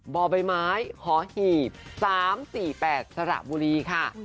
บ่อใบไม้หอหีบ๓๔๘สระบุรีค่ะ